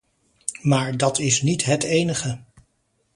Maar dat is niet het enige.